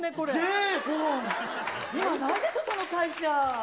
今ないでしょ、その会社。